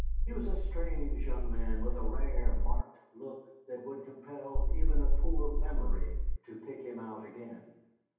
He was a strange young man, with the rare marked look that would compel even a poor memory to pick him out again.